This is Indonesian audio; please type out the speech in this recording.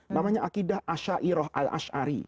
namanya akidah asyairah